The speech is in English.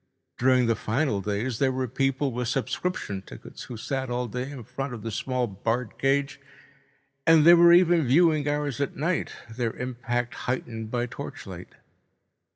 During the final days there were people with subscription tickets who sat all day in front of the small barred cage. And there were even viewing hours at night, their impact heightened by torchlight.